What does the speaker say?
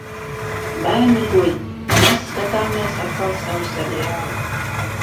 Bērni guļ. Mēs skatāmies atkal savu seriālu.